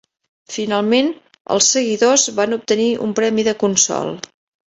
Finalment, els seguidors van obtenir un premi de consol.